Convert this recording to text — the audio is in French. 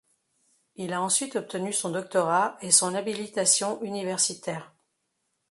Il a ensuite obtenu son doctorat et son habilitation universitaire.